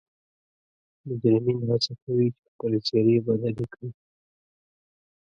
مجرمین حڅه کوي چې خپلې څیرې بدلې کړي